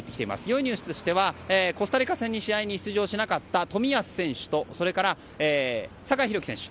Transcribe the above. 良いニュースとしてはコスタリカ戦の試合に出場しなかった冨安選手と酒井宏樹選手